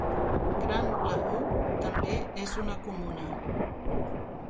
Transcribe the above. Grand-Lahou també és una comuna.